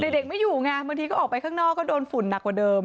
เด็กไม่อยู่ไงบางทีก็ออกไปข้างนอกก็โดนฝุ่นหนักกว่าเดิม